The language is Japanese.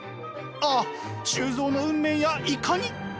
ああ周造の運命やいかに！